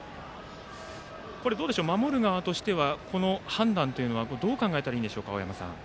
守る側としては、この判断はどう考えたらいいんでしょうか青山さん。